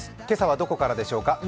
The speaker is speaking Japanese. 今朝はどこからでしょうか。